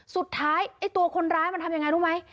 สุดท้ายไอ้ตัวคนร้ายมันทำอย่างไรรู้ไหม